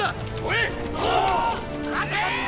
待て！